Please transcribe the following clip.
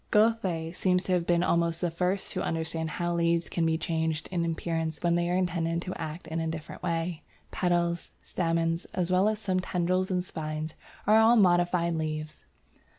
Goethe seems to have been almost the first to understand how leaves can be changed in appearance when they are intended to act in a different way. Petals, stamens, as well as some tendrils and spines, are all modified leaves.